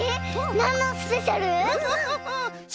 なんのスペシャル？